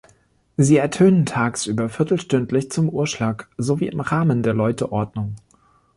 Sie ertönen tagsüber viertelstündlich zum Uhrschlag sowie im Rahmen der Läuteordnung.